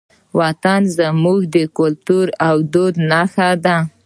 وطن زموږ د کلتور او دود نښه ده.